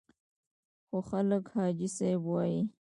خو خلک حاجي صاحب وایي.